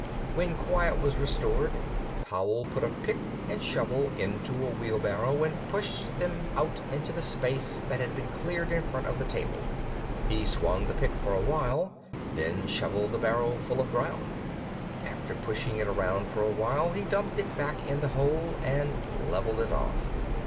When quiet was restored, Howell put a pick and shovel into a wheelbarrow and pushed them out into the space that had been cleared in front of the table. He swung the pick for a while, then shoveled the barrow full of ground. After pushing it around for a while, he dumped it back in the hole and leveled it off.